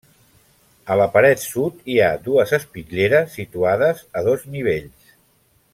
A la paret sud hi ha dues espitlleres situades a dos nivells.